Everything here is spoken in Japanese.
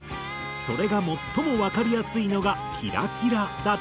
それが最もわかりやすいのが『キラキラ』だというのだが。